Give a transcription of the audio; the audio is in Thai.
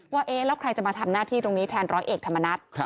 เอ๊ะแล้วใครจะมาทำหน้าที่ตรงนี้แทนร้อยเอกธรรมนัฐ